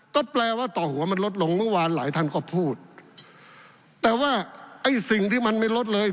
ก็แปลว่าต่อหัวมันลดลงเมื่อวานหลายท่านก็พูดแต่ว่าไอ้สิ่งที่มันไม่ลดเลย